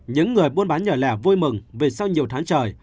những người buôn bán nhỏ lẻ vui mừng vì sau nhiều tháng trời